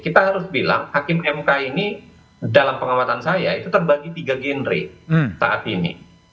kita harus bilang hakim mk ini dalam pengamatan saya itu terbagi tiga genre saat ini